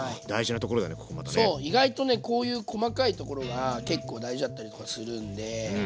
そう意外とねこういう細かいところが結構大事だったりするんで。